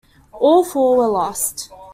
All four were lost.